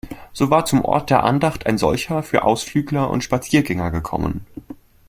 So war zum Ort der Andacht ein solcher für Ausflügler und Spaziergänger gekommen.